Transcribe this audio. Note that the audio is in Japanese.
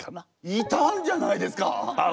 いたんじゃないですか！